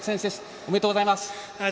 ありがとうございます。